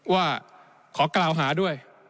ว่าขอกล่าวหาด้วย